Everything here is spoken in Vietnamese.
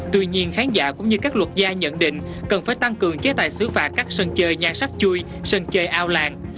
tuy nhiên khán giả cũng như các luật gia nhận định cần phải tăng cường chế tài xứ phạt các sân chơi nhan sắc chui sân chơi ao làng